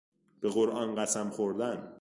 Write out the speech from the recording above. به قرآن قسم خوردن